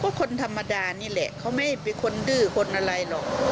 ก็คนธรรมดานี่แหละเขาไม่เป็นคนดื้อคนอะไรหรอก